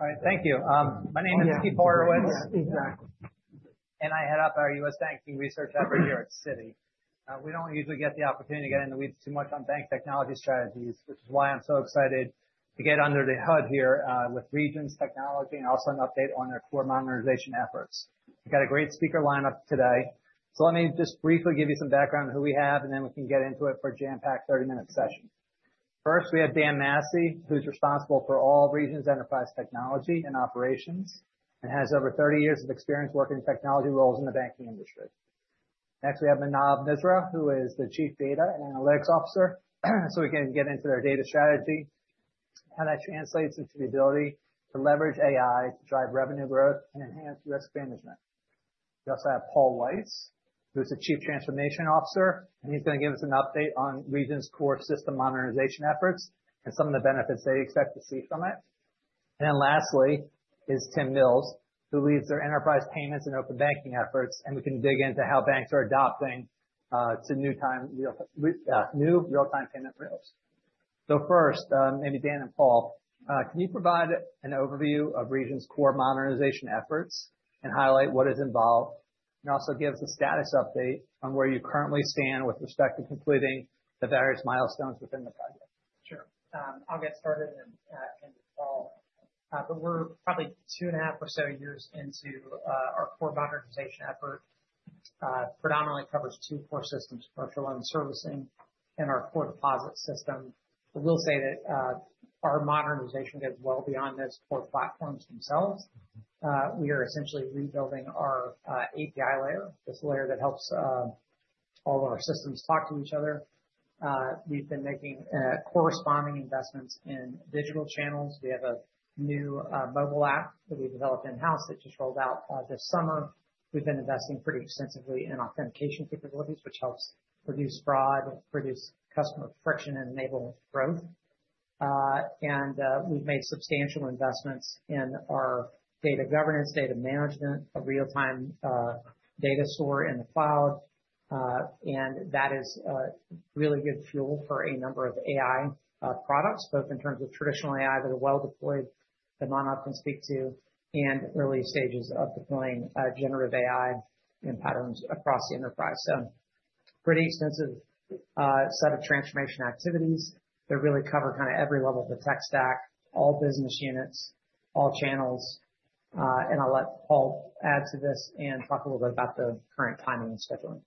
All right. Thank you. My name is Steve Horowitz. Yes. Exactly. I head up our U.S. Banking Research effort here at Citi. We do not usually get the opportunity to get in the weeds too much on bank technology strategies, which is why I am so excited to get under the hood here with Regions Technology and also an update on their core modernization efforts. We have a great speaker lineup today. Let me just briefly give you some background on who we have, and then we can get into it for a jam-packed 30-minute session. First, we have Dan Massey, who is responsible for all Regions Enterprise Technology and Operations and has over 30 years of experience working in technology roles in the banking industry. Next, we have Manav Mehra, who is the Chief Data and Analytics Officer. We can get into their data strategy, how that translates into the ability to leverage AI to drive revenue growth and enhance risk management. We also have Paul Weiss, who's the Chief Transformation Officer, and he's going to give us an update on Regions' core system modernization efforts and some of the benefits they expect to see from it. Lastly is Tim Mills, who leads their enterprise payments and open banking efforts, and we can dig into how banks are adopting to new real-time payment rails. First, maybe Dan and Paul, can you provide an overview of Regions' core modernization efforts and highlight what is involved, and also give us a status update on where you currently stand with respect to completing the various milestones within the project? Sure. I'll get started and Paul. We're probably two and a half or so years into our core modernization effort. It predominantly covers two core systems: commercial and servicing, and our core deposit system. I will say that our modernization goes well beyond those core platforms themselves. We are essentially rebuilding our API layer, this layer that helps all of our systems talk to each other. We've been making corresponding investments in digital channels. We have a new mobile app that we developed in-house that just rolled out this summer. We've been investing pretty extensively in authentication capabilities, which helps reduce fraud, reduce customer friction, and enable growth. We've made substantial investments in our data governance, data management, a real-time data store in the cloud. That is really good fuel for a number of AI products, both in terms of traditional AI that are well deployed, that Manav can speak to, and early stages of deploying generative AI in patterns across the enterprise. Pretty extensive set of transformation activities. They really cover kind of every level of the tech stack, all business units, all channels. I'll let Paul add to this and talk a little bit about the current timing and scheduling.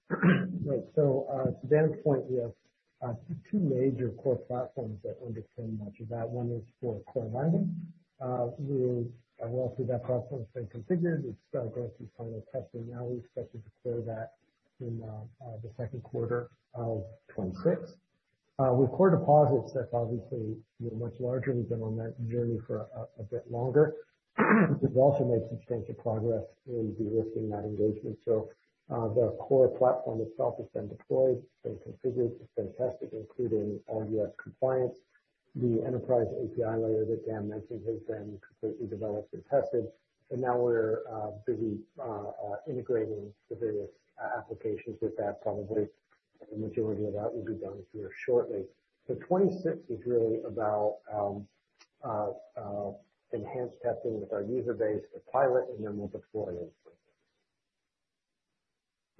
To Dan's point, we have two major core platforms that underpin much of that. One is for core lending. We're all through that platform has been configured. It's going through final testing now. We expect to deploy that in the second quarter of 2026. With core deposits, that's obviously much larger. We've been on that journey for a bit longer. We've also made substantial progress in de-risking that engagement. The core platform itself has been deployed, been configured, been tested, including all U.S. compliance. The enterprise API layer that Dan mentioned has been completely developed and tested. Now we're busy integrating the various applications with that. Probably the majority of that will be done here shortly. 2026 is really about enhanced testing with our user base to pilot, and then we'll deploy it.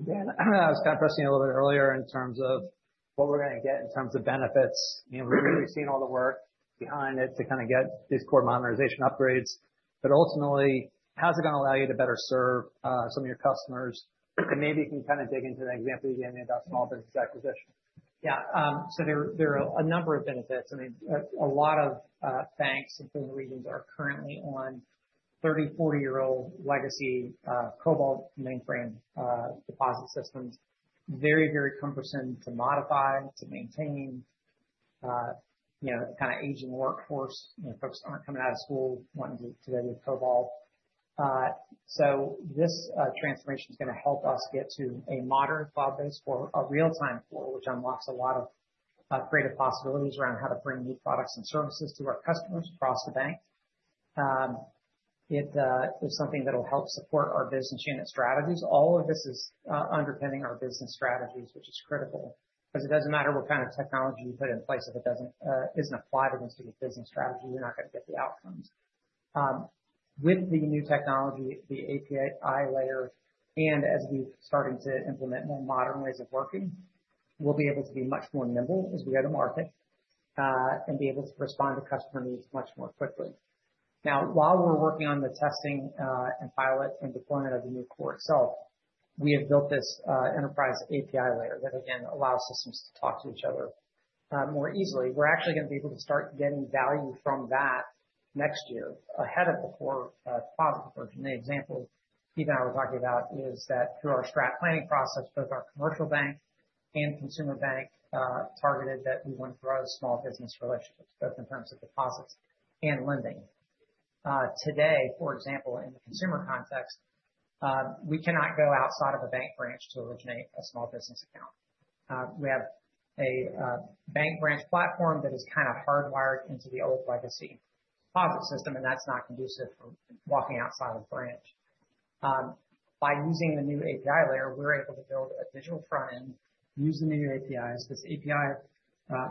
Dan, I was kind of pressing a little bit earlier in terms of what we're going to get in terms of benefits. We've seen all the work behind it to kind of get these core modernization upgrades. Ultimately, how is it going to allow you to better serve some of your customers? Maybe you can kind of dig into the example you gave me about small business acquisition. Yeah. There are a number of benefits. I mean, a lot of banks within the region are currently on 30-40-year-old legacy COBOL mainframe deposit systems, very, very cumbersome to modify, to maintain, kind of aging workforce. Folks aren't coming out of school wanting to go to COBOL. This transformation is going to help us get to a modern cloud-based or a real-time core, which unlocks a lot of creative possibilities around how to bring new products and services to our customers across the bank. It is something that will help support our business unit strategies. All of this is underpinning our business strategies, which is critical because it doesn't matter what kind of technology you put in place. If it isn't applied against your business strategy, you're not going to get the outcomes. With the new technology, the API layer, and as we're starting to implement more modern ways of working, we'll be able to be much more nimble as we go to market and be able to respond to customer needs much more quickly. Now, while we're working on the testing and pilot and deployment of the new core itself, we have built this enterprise API layer that, again, allows systems to talk to each other more easily. We're actually going to be able to start getting value from that next year ahead of the core deposit version. The example Pete and I were talking about is that through our strat planning process, both our commercial bank and consumer bank targeted that we want to grow small business relationships, both in terms of deposits and lending. Today, for example, in the consumer context, we cannot go outside of a bank branch to originate a small business account. We have a bank branch platform that is kind of hardwired into the old legacy deposit system, and that's not conducive for walking outside of the branch. By using the new API layer, we're able to build a digital front end, use the new APIs. This API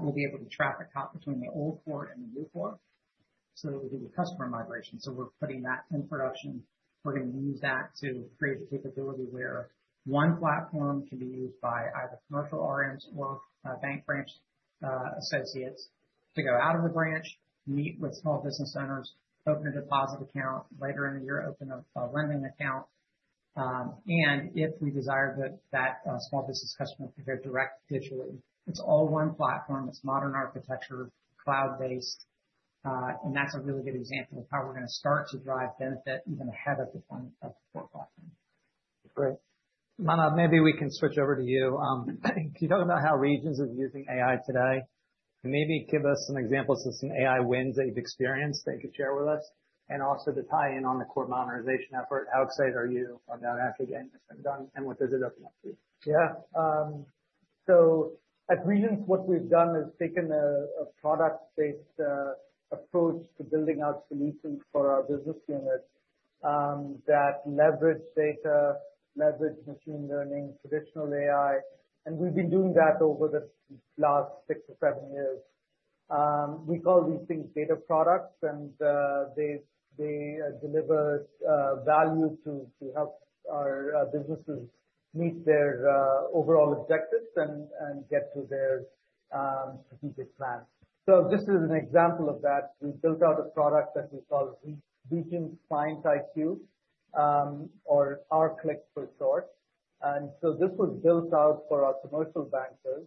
will be able to traffic between the old core and the new core. It will be the customer migration. We're putting that in production. We're going to use that to create the capability where one platform can be used by either commercial RMs or bank branch associates to go out of the branch, meet with small business owners, open a deposit account later in the year, open a lending account. If we desire that that small business customer can go direct digitally, it's all one platform. It's modern architecture, cloud-based. That's a really good example of how we're going to start to drive benefit even ahead of the core platform. Great. Manav, maybe we can switch over to you. Can you talk about how Regions is using AI today? Maybe give us some examples of some AI wins that you've experienced that you could share with us, and also to tie in on the core modernization effort. How excited are you about how good Dan has been done and what does it open up to? Yeah. At Regions, what we've done is taken a product-based approach to building out solutions for our business units that leverage data, leverage machine learning, traditional AI. We've been doing that over the last six or seven years. We call these things data products, and they deliver value to help our businesses meet their overall objectives and get to their strategic plan. Just as an example of that, we built out a product that we call Regions Client IQ, or our click for short. This was built out for our commercial bankers.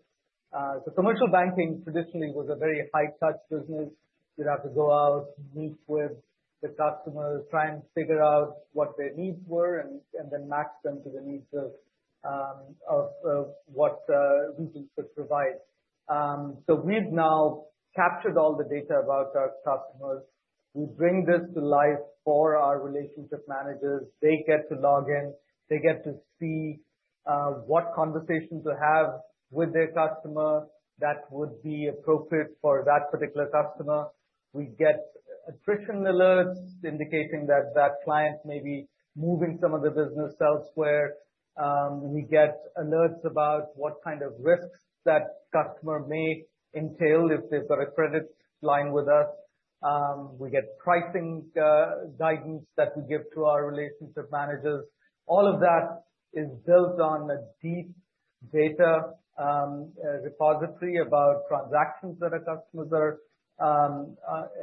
Commercial banking traditionally was a very high-touch business. You'd have to go out, meet with the customers, try and figure out what their needs were, and then match them to the needs of what Regions could provide. We've now captured all the data about our customers. We bring this to life for our relationship managers. They get to log in. They get to see what conversations to have with their customer that would be appropriate for that particular customer. We get attrition alerts indicating that that client may be moving some of the business elsewhere. We get alerts about what kind of risks that customer may entail if they've got a credit line with us. We get pricing guidance that we give to our relationship managers. All of that is built on a deep data repository about transactions that our customers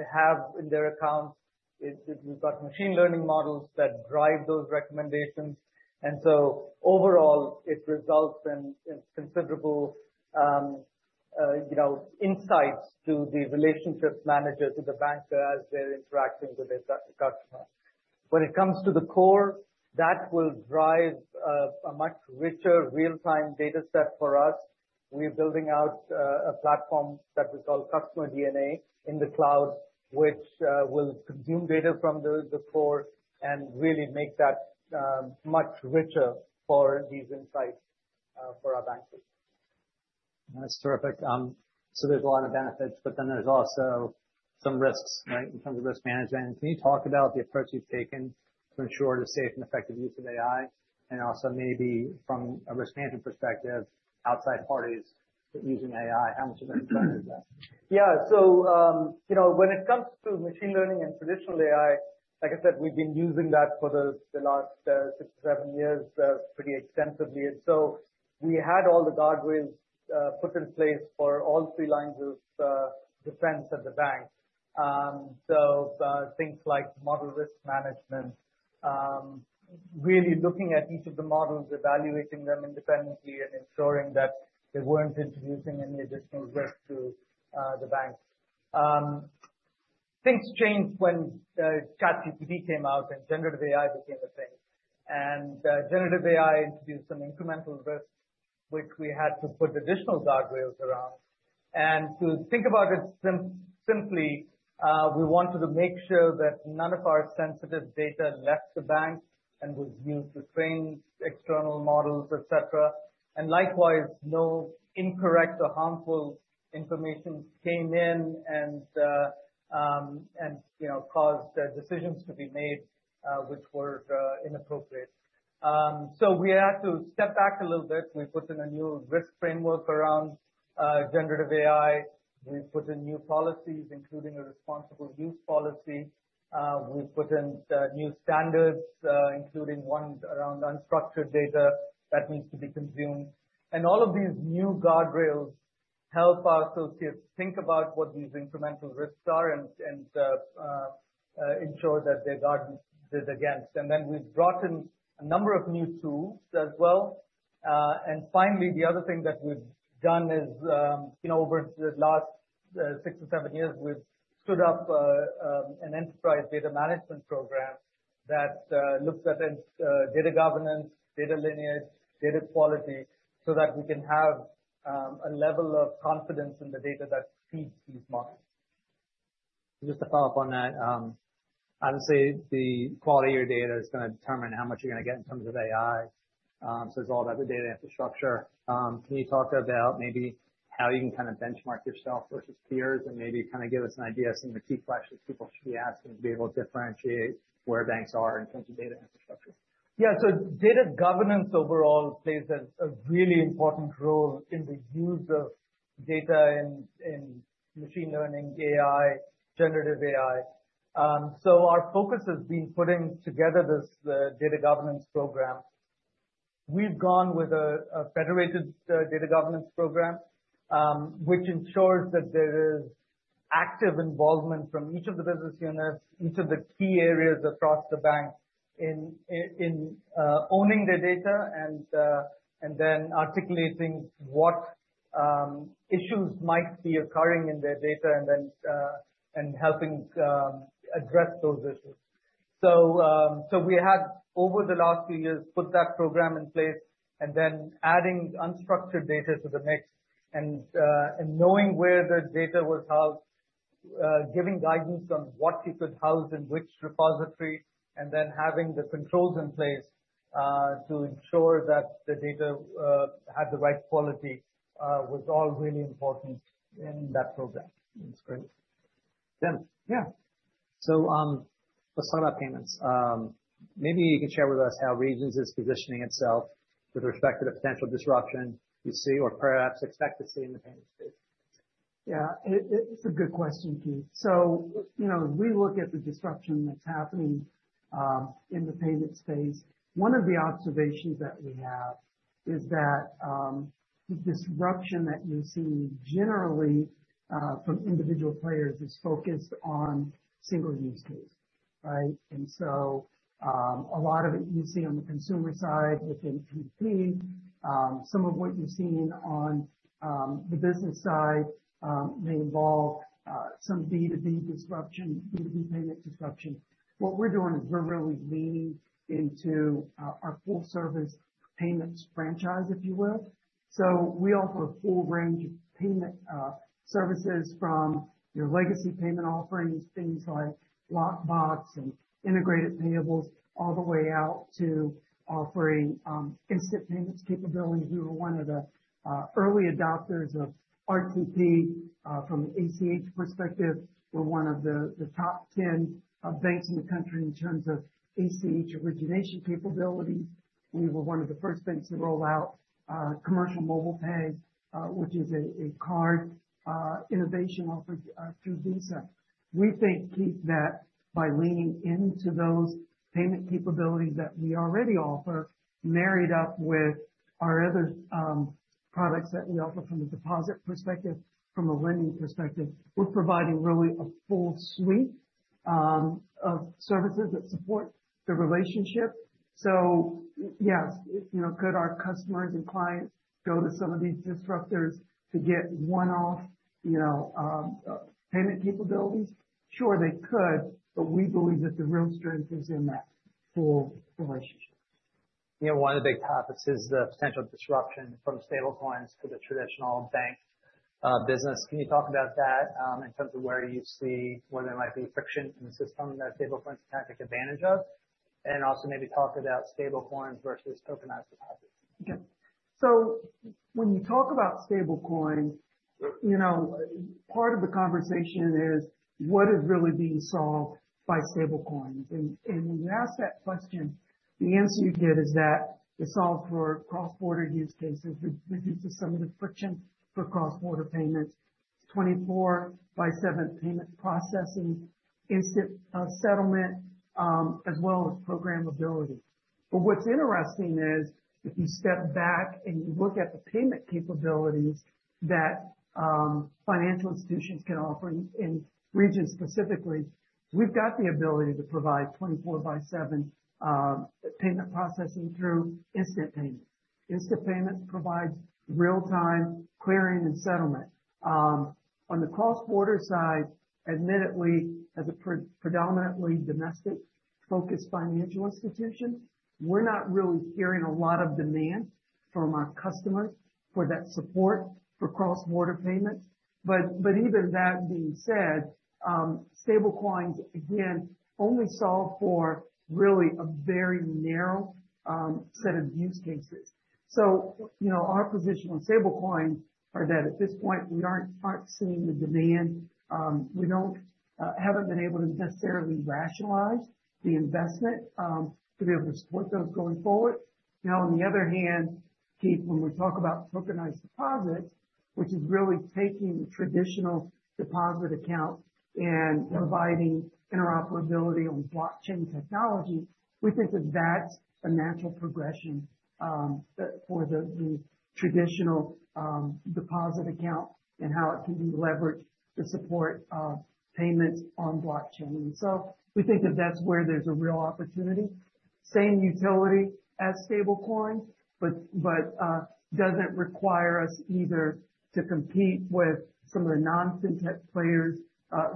have in their accounts. We've got machine learning models that drive those recommendations. Overall, it results in considerable insights to the relationship manager, to the banker, as they're interacting with their customer. When it comes to the core, that will drive a much richer real-time data set for us. We're building out a platform that we call Customer DNA in the cloud, which will consume data from the core and really make that much richer for these insights for our bankers. That's terrific. There are a lot of benefits, but then there are also some risks, right, in terms of risk management. Can you talk about the approach you've taken to ensure the safe and effective use of AI, and also maybe from a risk management perspective, outside parties using AI? How much of an impact is that? Yeah. When it comes to machine learning and traditional AI, like I said, we've been using that for the last six to seven years pretty extensively. We had all the guardrails put in place for all three lines of defense at the bank. Things like model risk management, really looking at each of the models, evaluating them independently, and ensuring that they weren't introducing any additional risk to the bank. Things changed when ChatGPT came out and generative AI became a thing. Generative AI introduced some incremental risks, which we had to put additional guardrails around. To think about it simply, we wanted to make sure that none of our sensitive data left the bank and was used to train external models, et cetera. Likewise, no incorrect or harmful information came in and caused decisions to be made, which were inappropriate. We had to step back a little bit. We put in a new risk framework around generative AI. We've put in new policies, including a responsible use policy. We've put in new standards, including one around unstructured data that needs to be consumed. All of these new guardrails help our associates think about what these incremental risks are and ensure that they're guarded against. We've brought in a number of new tools as well. Finally, the other thing that we've done is over the last six to seven years, we've stood up an enterprise data management program that looks at data governance, data lineage, data quality so that we can have a level of confidence in the data that feeds these models. Just to follow up on that, obviously, the quality of your data is going to determine how much you're going to get in terms of AI. It is all about the data infrastructure. Can you talk about maybe how you can kind of benchmark yourself versus peers and maybe kind of give us an idea of some of the key questions people should be asking to be able to differentiate where banks are in terms of data infrastructure? Yeah. Data governance overall plays a really important role in the use of data in machine learning, AI, generative AI. Our focus has been putting together this data governance program. We've gone with a federated data governance program, which ensures that there is active involvement from each of the business units, each of the key areas across the bank in owning their data and then articulating what issues might be occurring in their data and then helping address those issues. We had, over the last few years, put that program in place and then adding unstructured data to the mix and knowing where the data was held, giving guidance on what you could house in which repository, and then having the controls in place to ensure that the data had the right quality was all really important in that program. That's great. Dan, yeah. Let's talk about payments. Maybe you could share with us how Regions is positioning itself with respect to the potential disruption you see or perhaps expect to see in the payment space. Yeah. It's a good question, Pete. We look at the disruption that's happening in the payment space. One of the observations that we have is that the disruption that you see generally from individual players is focused on a single use case, right? A lot of it you see on the consumer side within PT. Some of what you've seen on the business side may involve some B2B disruption, B2B payment disruption. What we're doing is we're really leaning into our full-service payments franchise, if you will. We offer a full range of payment services from your legacy payment offerings, things like Lockbox and integrated payables, all the way out to offering instant payments capabilities. We were one of the early adopters of RTP from an ACH perspective. We're one of the top 10 banks in the country in terms of ACH origination capabilities. We were one of the first banks to roll out commercial mobile pay, which is a card innovation offered through Visa. We think, Pete, that by leaning into those payment capabilities that we already offer, married up with our other products that we offer from a deposit perspective, from a lending perspective, we're providing really a full suite of services that support the relationship. Yes, could our customers and clients go to some of these disruptors to get one-off payment capabilities? Sure, they could, but we believe that the real strength is in that full relationship. One of the big topics is the potential disruption from stablecoins to the traditional bank business. Can you talk about that in terms of where you see where there might be friction in the system that stablecoins can take advantage of? Also maybe talk about stablecoins versus tokenized deposits. Yeah. When you talk about stablecoins, part of the conversation is, what is really being solved by stablecoins? When you ask that question, the answer you get is that it is solved for cross-border use cases. We reduce some of the friction for cross-border payments, 24x7 payment processing, instant settlement, as well as programmability. What is interesting is if you step back and you look at the payment capabilities that financial institutions can offer, in Regions specifically, we have the ability to provide 24x7 payment processing through instant payments. Instant payments provide real-time clearing and settlement. On the cross-border side, admittedly, as a predominantly domestic-focused financial institution, we are not really hearing a lot of demand from our customers for that support for cross-border payments. Even that being said, stablecoins, again, only solve for really a very narrow set of use cases. Our position on stablecoins is that at this point, we aren't seeing the demand. We haven't been able to necessarily rationalize the investment to be able to support those going forward. Now, on the other hand, Pete, when we talk about tokenized deposits, which is really taking the traditional deposit account and providing interoperability on blockchain technology, we think that that's a natural progression for the traditional deposit account and how it can be leveraged to support payments on blockchain. We think that that's where there's a real opportunity. Same utility as stablecoins, but doesn't require us either to compete with some of the non-Fintech players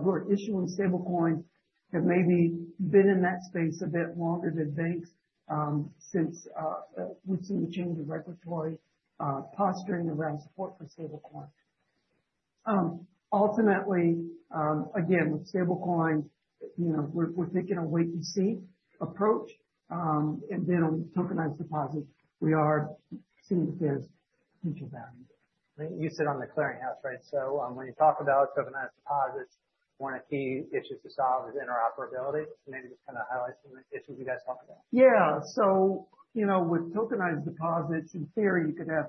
who are issuing stablecoins that maybe have been in that space a bit longer than banks since we've seen the change of regulatory posturing around support for stablecoins. Ultimately, again, with stablecoins, we're taking a wait-and-see approach. On the tokenized deposits, we are seeing that there's potential value. You sit on The Clearing House, right? When you talk about tokenized deposits, one of the key issues to solve is interoperability. Maybe just kind of highlight some of the issues you guys talked about. Yeah. With tokenized deposits, in theory, you could have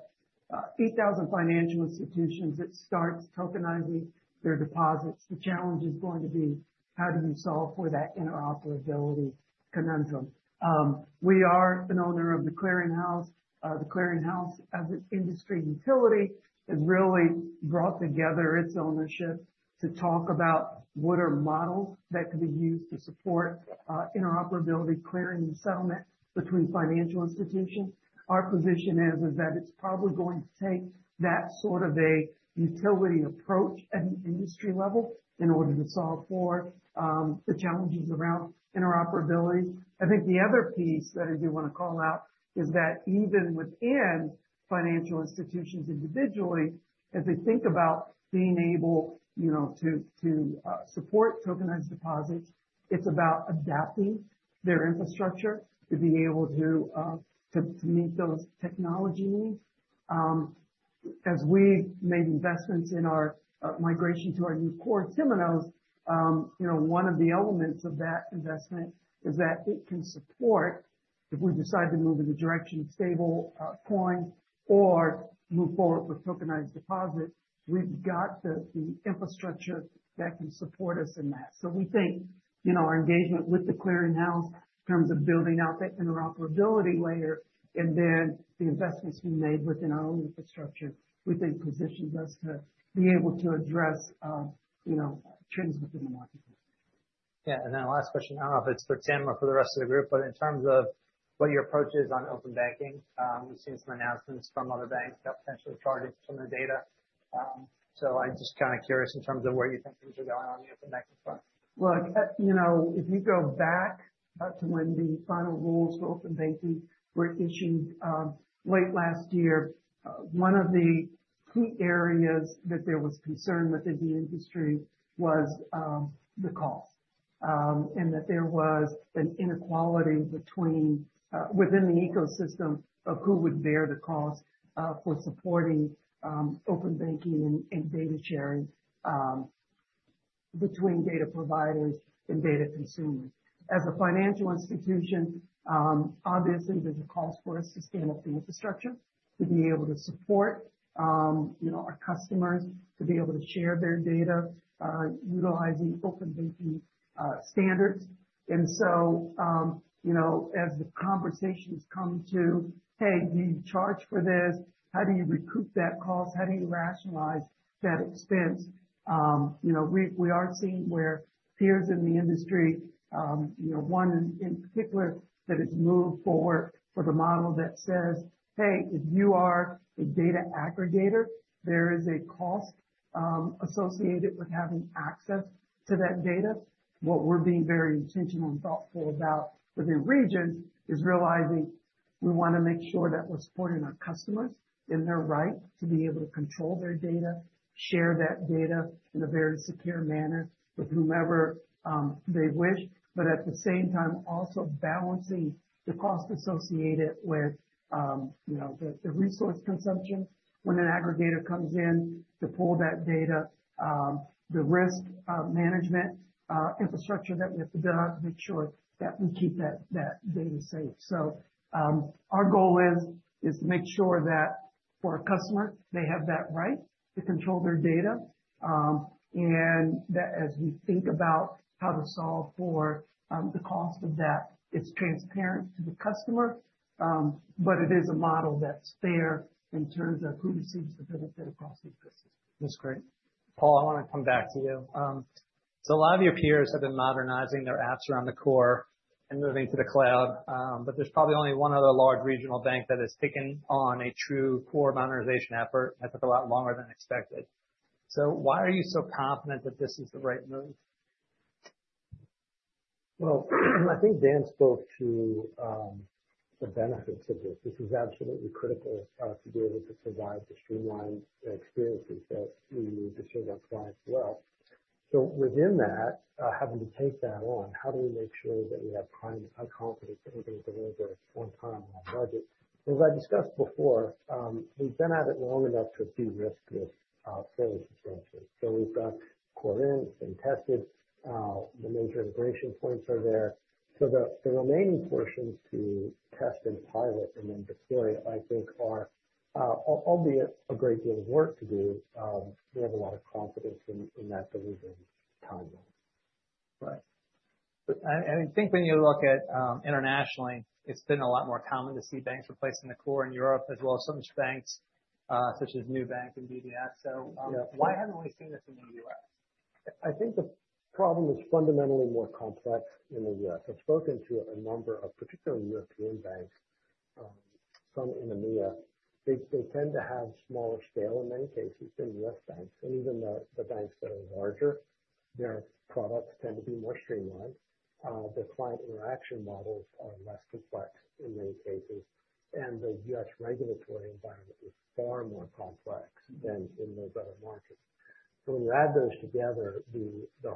8,000 financial institutions that start tokenizing their deposits. The challenge is going to be, how do you solve for that interoperability conundrum? We are an owner of The Clearing House. The Clearing House, as an industry utility, has really brought together its ownership to talk about what are models that could be used to support interoperability, clearing, and settlement between financial institutions. Our position is that it's probably going to take that sort of a utility approach at an industry level in order to solve for the challenges around interoperability. I think the other piece that I do want to call out is that even within financial institutions individually, as they think about being able to support tokenized deposits, it's about adapting their infrastructure to be able to meet those technology needs. As we've made investments in our migration to our new core Temenos, one of the elements of that investment is that it can support if we decide to move in the direction of stablecoins or move forward with tokenized deposits, we've got the infrastructure that can support us in that. We think our engagement with The Clearing House in terms of building out that interoperability layer and then the investments we made within our own infrastructure, we think positions us to be able to address trends within the marketplace. Yeah. The last question, I do not know if it is for Tim or for the rest of the group, but in terms of what your approach is on open banking, we have seen some announcements from other banks about potentially charging some of the data. I am just kind of curious in terms of where you think things are going on the open banking front. Look, if you go back to when the final rules for open banking were issued late last year, one of the key areas that there was concern within the industry was the cost and that there was an inequality within the ecosystem of who would bear the cost for supporting open banking and data sharing between data providers and data consumers. As a financial institution, obviously, there's a cost for us to stand up the infrastructure to be able to support our customers, to be able to share their data utilizing open banking standards. As the conversations come to, "Hey, do you charge for this? How do you recoup that cost? How do you rationalize that expense? We are seeing where peers in the industry, one in particular, that has moved forward with a model that says, "Hey, if you are a data aggregator, there is a cost associated with having access to that data." What we're being very intentional and thoughtful about within Regions is realizing we want to make sure that we're supporting our customers in their right to be able to control their data, share that data in a very secure manner with whomever they wish, but at the same time, also balancing the cost associated with the resource consumption when an aggregator comes in to pull that data, the risk management infrastructure that we have to build out to make sure that we keep that data safe. Our goal is to make sure that for our customer, they have that right to control their data. As we think about how to solve for the cost of that, it's transparent to the customer, but it is a model that's fair in terms of who receives the benefit across the ecosystem. That's great. Paul, I want to come back to you. A lot of your peers have been modernizing their apps around the core and moving to the cloud, but there's probably only one other large regional bank that has taken on a true core modernization effort that took a lot longer than expected. Why are you so confident that this is the right move? I think Dan spoke to the benefits of this. This is absolutely critical to be able to provide the streamlined experiences that we need to serve our clients well. Within that, having to take that on, how do we make sure that we have confidence that we're going to deliver on time and on budget? As I discussed before, we've been at it long enough to de-risk this fairly substantially. We've got core in and tested. The major integration points are there. The remaining portions to test and pilot and then deploy, I think, are albeit a great deal of work to do. We have a lot of confidence in that delivery timeline. Right. I think when you look at internationally, it's been a lot more common to see banks replacing the core in Europe, as well as some banks such as Nubank and DBS. Why haven't we seen this in the U.S.? I think the problem is fundamentally more complex in the U.S. I've spoken to a number of particularly European banks, some in EMEA. They tend to have smaller scale in many cases than U.S. banks. Even the banks that are larger, their products tend to be more streamlined. The client interaction models are less complex in many cases. The U.S. regulatory environment is far more complex than in those other markets. When you add those together, the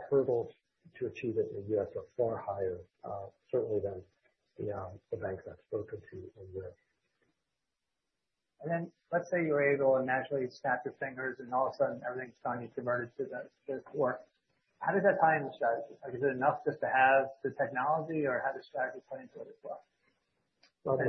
hurdles to achieve it in the U.S. are far higher, certainly than the banks I've spoken to in Europe. Let's say you're able to naturally snap your fingers and all of a sudden everything's finally converted to the core. How does that tie into strategy? Is it enough just to have the technology or how does strategy play into it as well? Well.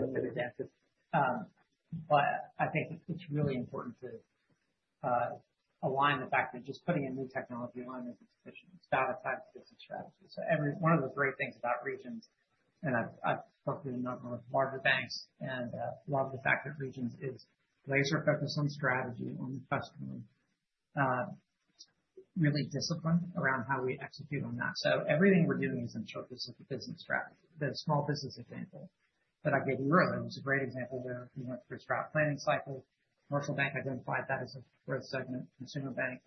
I think it's really important to align the fact that just putting in new technology alone isn't sufficient. It's about a tiny bit of strategy. One of the great things about Regions, and I've spoken to a number of larger banks, and love the fact that Regions is laser-focused on strategy, on the customer, really disciplined around how we execute on that. Everything we're doing is in the shortlist of the business strategy. The small business example that I gave you earlier was a great example there. We went through a scrap planning cycle. Commercial Bank identified that as a growth segment. Consumer Bank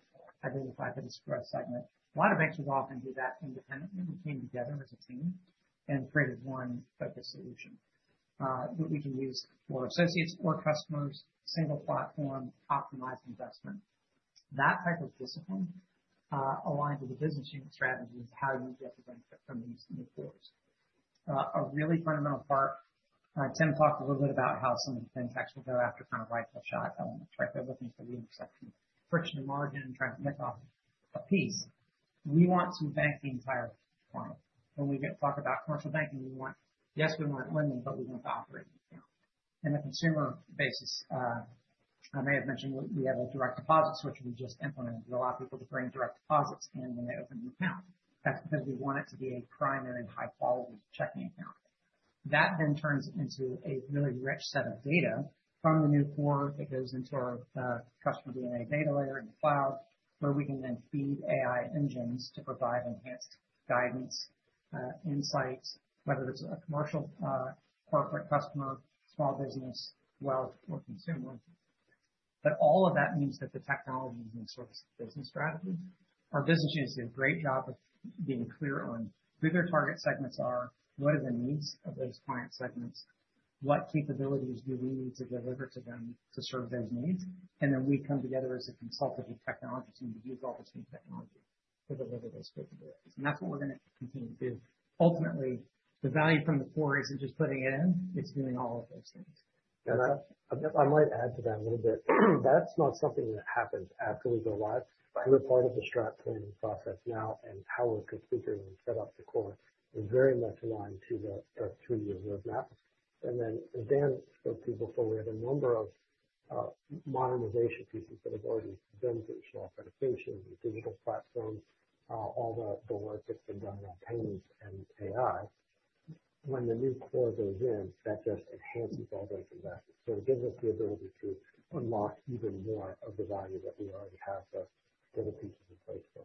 identified that as a growth segment. A lot of banks would often do that independently. We came together as a team and created one focused solution that we can use for associates or customers, single platform, optimized investment. That type of discipline aligned to the business unit strategy is how you get the benefit from these new cores. A really fundamental part, Tim talked a little bit about how some of the FinTechs will go after kind of ride-for-shot elements, right? They're looking for the intersection, friction and margin, trying to nick off a piece. We want to bank the entire client. When we talk about commercial banking, yes, we want lending, but we want to operate an account. In the consumer basis, I may have mentioned we have direct deposits, which we just implemented. We allow people to bring direct deposits in when they open an account. That's because we want it to be a primary high-quality checking account. That then turns into a really rich set of data from the new core that goes into our Customer DNA data layer in the cloud, where we can then feed AI engines to provide enhanced guidance, insights, whether it's a commercial, corporate customer, small business, wealth, or consumer. All of that means that the technology is in the service of the business strategy. Our business units do a great job of being clear on who their target segments are, what are the needs of those client segments, what capabilities do we need to deliver to them to serve those needs. We come together as a consultative technology team to use all this new technology to deliver those capabilities. That's what we're going to continue to do. Ultimately, the value from the core isn't just putting it in. It's doing all of those things. I might add to that a little bit. That's not something that happens after we go live. We're part of the strat planning process now, and how we're configuring and set up the core is very much aligned to the three-year roadmap. As Dan spoke to you before, we have a number of modernization pieces that have already been through: smart verification, digital platforms, all the work that's been done around payments and AI. When the new core goes in, that just enhances all those investments. It gives us the ability to unlock even more of the value that we already have those little pieces in place for.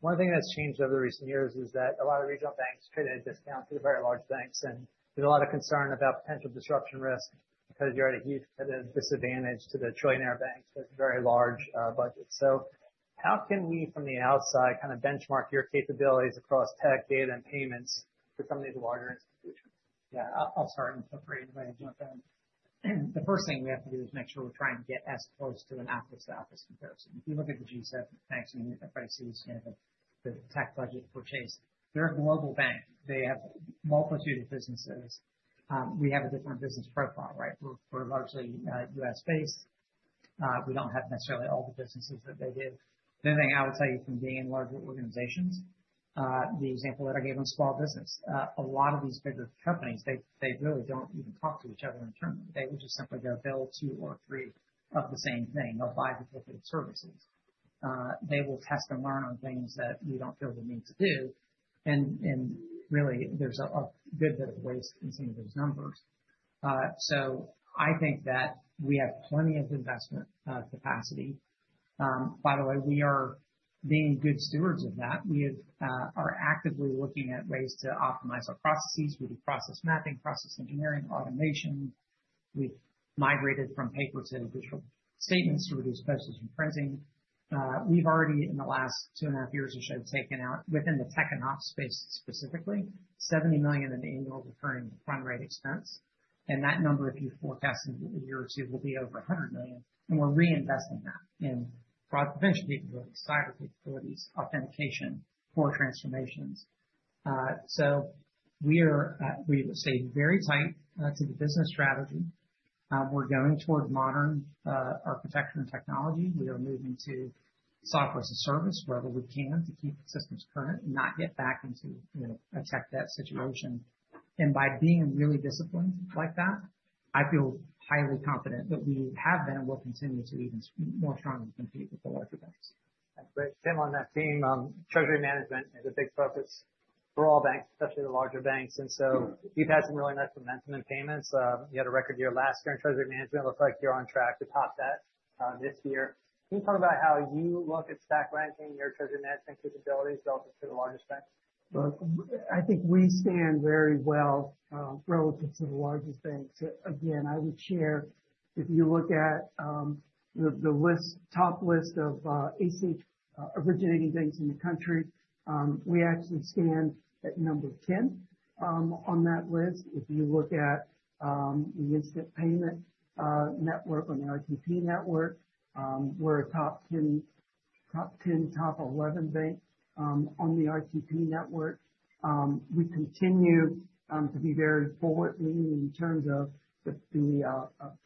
One thing that's changed over the recent years is that a lot of regional banks created a discount to the very large banks. There's a lot of concern about potential disruption risk because you're at a disadvantage to the trillionaire banks with very large budgets. How can we, from the outside, kind of benchmark your capabilities across tech, data, and payments for some of these larger institutions? Yeah. I'll start and feel free to interject. The first thing we have to do is make sure we're trying to get as close to an apples-to-apples comparison. If you look at the G7, banks and the FICC standard, the tech budget for Chase, they're a global bank. They have a multitude of businesses. We have a different business profile, right? We're largely U.S.-based. We don't have necessarily all the businesses that they do. The other thing I would tell you from being in larger organizations, the example that I gave on small business, a lot of these bigger companies, they really don't even talk to each other internally. They would just simply go bill two or three of the same thing. They'll buy the different services. They will test and learn on things that we don't feel the need to do. There is a good bit of waste in some of those numbers. I think that we have plenty of investment capacity. By the way, we are being good stewards of that. We are actively looking at ways to optimize our processes. We do process mapping, process engineering, automation. We have migrated from paper to digital statements to reduce postage and printing. We have already, in the last two and a half years or so, taken out, within the tech and ops space specifically, $70 million in annual recurring run rate expense. That number, if you forecast in a year or two, will be over $100 million. We are reinvesting that in broad prevention capabilities, cyber capabilities, authentication, core transformations. We are staying very tight to the business strategy. We are going toward modern architecture and technology. We are moving to software as a service, wherever we can, to keep systems current and not get back into a tech debt situation. By being really disciplined like that, I feel highly confident that we have been and will continue to even more strongly compete with the larger banks. That's great. Tim, on that team, treasury management is a big focus for all banks, especially the larger banks. You have had some really nice momentum in payments. You had a record year last year in treasury management. It looks like you are on track to top that this year. Can you talk about how you look at stack ranking your treasury management capabilities relative to the largest banks? I think we stand very well relative to the largest banks. Again, I would share, if you look at the top list of ACH originating banks in the country, we actually stand at number 10 on that list. If you look at the instant payment network on the RTP network, we're a top 10, top 11 bank on the RTP network. We continue to be very forward-leaning in terms of the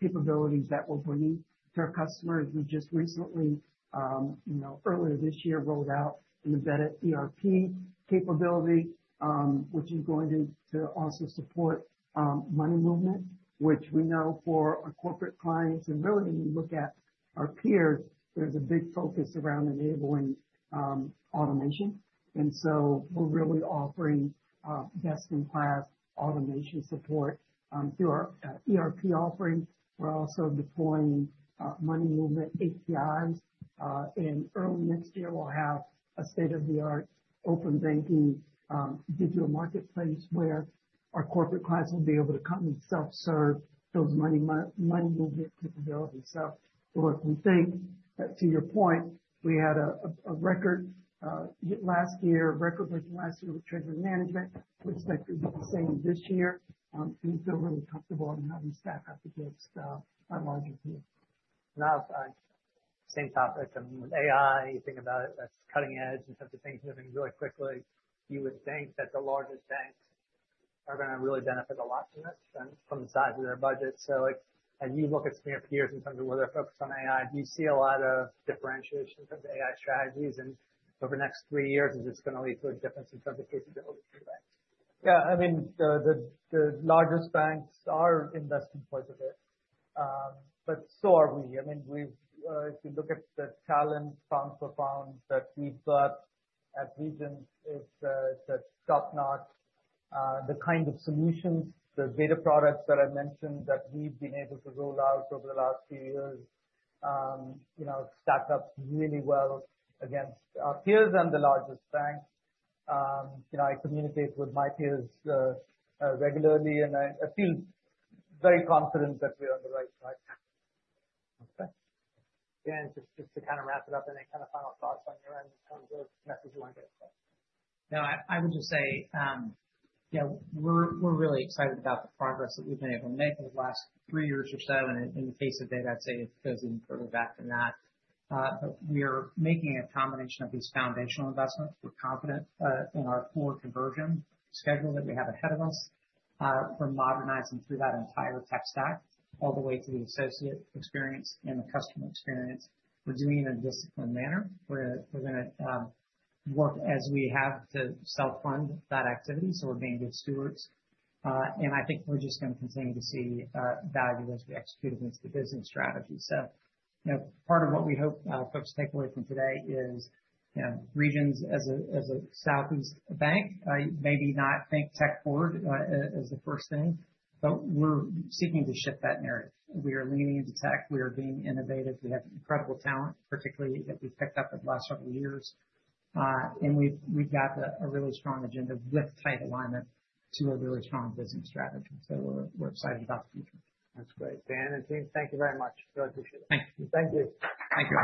capabilities that we're bringing to our customers. We just recently, earlier this year, rolled out an embedded ERP capability, which is going to also support money movement, which we know for our corporate clients. Really, when you look at our peers, there's a big focus around enabling automation. We are really offering best-in-class automation support through our ERP offering. We're also deploying money movement APIs. Early next year, we'll have a state-of-the-art open banking digital marketplace where our corporate clients will be able to come and self-serve those money movement capabilities. We think, to your point, we had a record last year, record-breaking last year with treasury management. We expect to be the same this year. We feel really comfortable in how we stack up against our larger peers. I'll say same topic. I mean, with AI, you think about it as cutting-edge in terms of things moving really quickly. You would think that the largest banks are going to really benefit a lot from this from the size of their budget. As you look at some of your peers in terms of where they're focused on AI, do you see a lot of differentiation in terms of AI strategies? Over the next three years, is this going to lead to a difference in terms of capability for you guys? Yeah. I mean, the largest banks are investing quite a bit. But so are we. I mean, if you look at the talent pound-for-pound that we've got at Regions, it's top-notch. The kind of solutions, the beta products that I mentioned that we've been able to roll out over the last few years, stack up really well against our peers and the largest banks. I communicate with my peers regularly, and I feel very confident that we're on the right track. Okay. Dan, just to kind of wrap it up, any kind of final thoughts on your end in terms of message you want to get across? No, I would just say we're really excited about the progress that we've been able to make over the last three years or so. In the case of data, I'd say it goes even further back than that. We are making a combination of these foundational investments. We're confident in our core conversion schedule that we have ahead of us. We're modernizing through that entire tech stack all the way to the associate experience and the customer experience. We're doing it in a disciplined manner. We're going to work as we have to self-fund that activity. We're being good stewards. I think we're just going to continue to see value as we execute against the business strategy. Part of what we hope folks take away from today is Regions as a Southeast bank, maybe not think tech forward as the first thing, but we're seeking to shift that narrative. We are leaning into tech. We are being innovative. We have incredible talent, particularly that we've picked up over the last several years. And we've got a really strong agenda with tight alignment to a really strong business strategy. We are excited about the future. That's great. Dan and team, thank you very much. Really appreciate it. Thank you. Thank you.